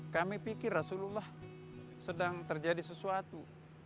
kami pikir rasulullah sedang terjadi sesuatu